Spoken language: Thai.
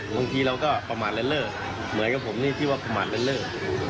บางทีเราก็ประมาทเลินเล่อเหมือนกับผมนี่ที่ว่าประมาทเลิศ